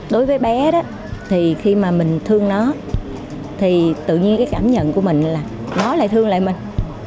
đối với bé khi mình thương nó tự nhiên cảm nhận của mình là nó lại thương lại mình